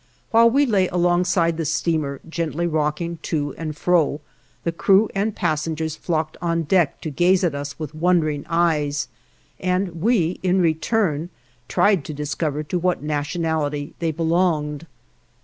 While we lay alongside the steamer, gently rocking to and fro, the crew and passengers flocked on deck to gaze at us with wondering eyes, and we in return tried to discover to what nationality they belonged.